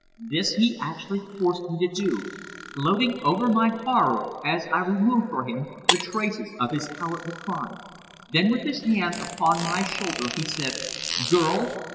This he actually forced me to do, gloating over my horror as I removed for him the traces of his cowardly crime. Then, with his hand upon my shoulder, he said, 'Girl!